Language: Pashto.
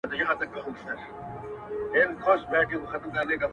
په مناسبت جشن جوړ کړي -